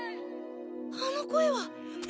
あの声は。